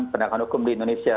penegakan hukum di indonesia